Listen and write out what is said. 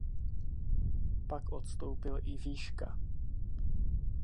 Pak odstoupil i Výška.